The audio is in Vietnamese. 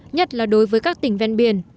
nhất là đối với các tỉnh ven biển